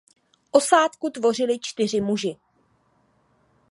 Osádku tvořili čtyři muži.